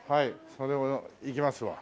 それをいきますわ。